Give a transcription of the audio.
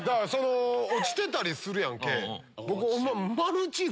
落ちてたりするやん毛。